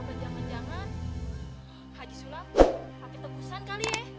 apa jangan jangan haji sulam pake tegusan kali ya